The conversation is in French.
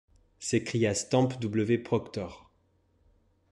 s’écria Stamp W. Proctor.